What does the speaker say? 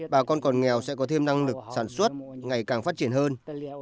bà con còn nghèo sẽ có thêm năng lực sản xuất ngày càng phát triển hơn